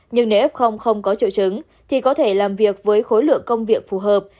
nhưng nếu f không có triệu chứng thì có thể làm việc với khối lượng công việc phù hợp